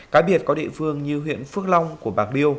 cá biệt có địa phương như huyện phước long của bạc liêu